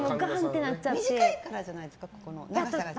短いからじゃないですか？